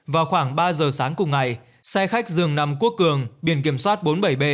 vào khoảng ba giờ sáng cùng ngày xe khách dường nằm quốc cường biển kiểm soát bốn mươi bảy b hai nghìn hai mươi sáu